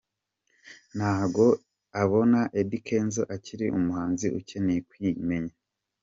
Ngo abona Eddy Kenzo akiri umuhanzi ukeneye kwimenya.